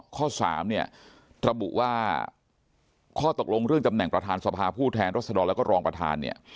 ข้อสามตะบุว่าข้อตกลงเรื่องจำแหน่งประธานศพผู้แทนรัศนาลัยก็รองประธาน